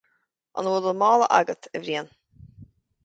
An bhfuil an mála agat, a Bhriain